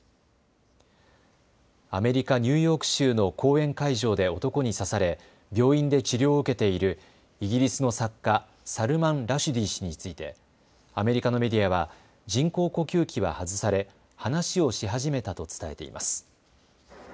アメリカ・ニューヨーク州の講演会場で男に刺され病院で治療を受けているイギリスの作家、サルマン・ラシュディ氏についてアメリカのメディアは人工呼吸器は外され話をし始めたと伝えています。